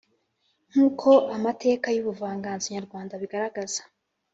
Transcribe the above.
nk’uko amateka y’ubuvanganzo nyarwanda abigaragaza,